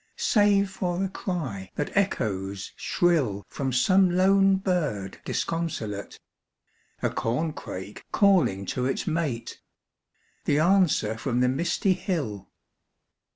Save for a cry that echoes shrill From some lone bird disconsolate; A corncrake calling to its mate; The answer from the misty hill.